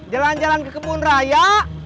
jalan jalan ke kebun raya